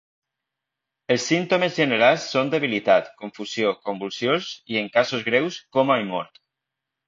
Els símptomes generals són debilitat, confusió, convulsions, i en casos greus, coma i mort.